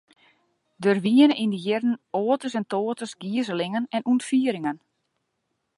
Der wiene yn dy jierren oates en toates gizelingen en ûntfieringen.